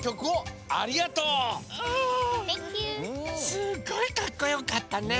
すっごいかっこよかったね！